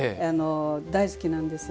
大好きなんですよ